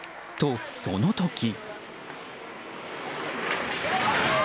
と、その時。